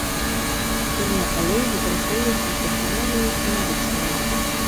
Эфірны алей выкарыстоўваюць у парфумерыі і медыцыне.